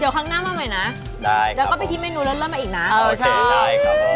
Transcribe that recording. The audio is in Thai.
เดี๋ยวครั้งหน้ามาใหม่นะแล้วก็ไปคิดเมนูเริ่มอีกนะโอเคได้ครับ